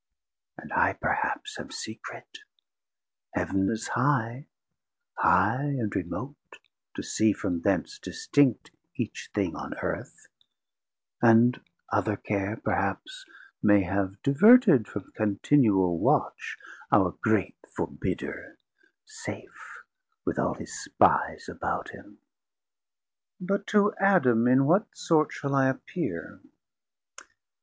810 And I perhaps am secret; Heav'n is high, High and remote to see from thence distinct Each thing on Earth; and other care perhaps May have diverted from continual watch Our great Forbidder, safe with all his Spies About him. But to Adam in what sort Shall I appeer?